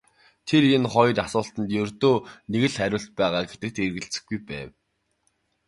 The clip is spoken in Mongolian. Тэр энэ хоёр асуултад ердөө нэг л хариулт байгаа гэдэгт эргэлзэхгүй байв.